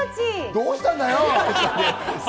どうしたんだよ。